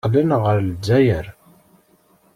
Qqlen ɣer Lezzayer.